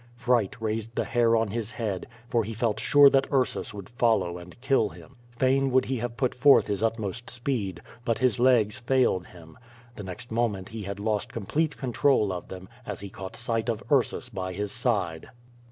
Fright raised the hair on his head, QUO VADIS. 195 for he felt sure that Ursus would follow and kill him. Fain would he have put forth his utmost speed, but his legs failed him. The next moment he had lost complete control of them, as he caught sight of Ursus by his side.